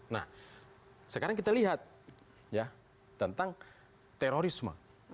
nah sekarang kita lihat ya tentang terorisme